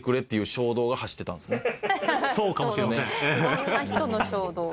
色んな人の衝動が。